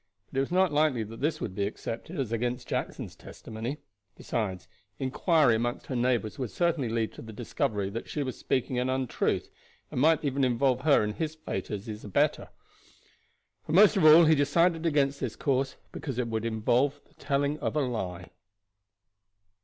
But it was not likely that this would be accepted as against Jackson's testimony; besides, inquiry among her neighbors would certainly lead to the discovery that she was speaking an untruth, and might even involve her in his fate as his abettor. But most of all he decided against this course because it would involve the telling of a lie.